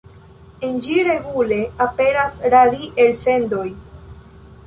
En ĝi regule aperas radi-elsendoj.